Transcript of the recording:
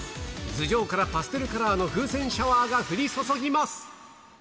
頭上からパステルカラーの風船シャワーが降り注ぎます。